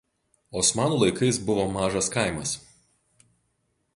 Osmanų laikais buvo mažas kaimas.